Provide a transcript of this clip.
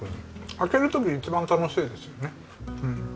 開ける時一番楽しいですよねうん。